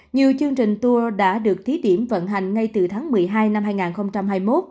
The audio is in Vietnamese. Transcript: nhiều chương trình tour đã được thí điểm vận hành ngay từ tháng một mươi hai năm hai nghìn hai mươi một